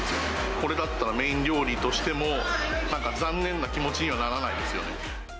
これだったら、メイン料理としても、なんか残念な気持ちにはならないですよね。